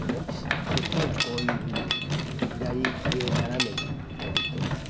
こっちがこういうふうに左上斜めに行っとるでしょ。